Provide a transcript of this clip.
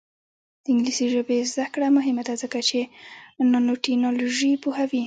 د انګلیسي ژبې زده کړه مهمه ده ځکه چې نانوټیکنالوژي پوهوي.